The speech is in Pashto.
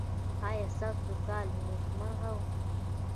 ایا ستاسو کال نیکمرغه و؟